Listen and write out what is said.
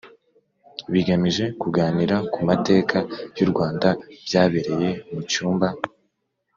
bigamije kuganira ku mateka y u Rwanda byabereye mu cyumba